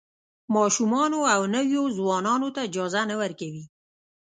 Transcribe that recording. ماشومانو او نویو ځوانانو ته اجازه نه ورکوي.